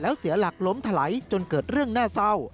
แล้วเสียหลักล้มถลายจนเกิดเรื่องน่าเศร้า